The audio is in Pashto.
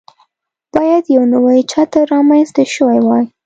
باید یو نوی چتر رامنځته شوی وای.